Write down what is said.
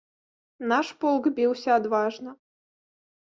Наш полк біўся адважна.